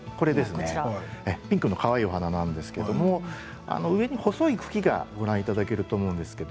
ピンクのかわいいお花なんですけど上に細い茎がご覧いただけると思うんですけど。